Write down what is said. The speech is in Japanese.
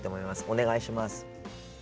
お願いします。